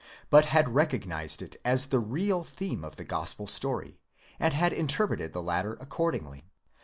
but had recognised it as the real theme of the gospel story, and had interpreted the latter accordingly.